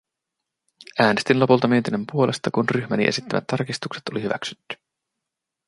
Äänestin lopulta mietinnön puolesta, kun ryhmäni esittämät tarkistukset oli hyväksytty.